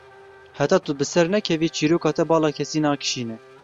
Heta tu biser nekevî, çîroka te bala kesî nakişîne.